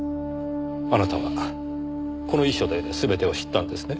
あなたはこの遺書で全てを知ったんですね？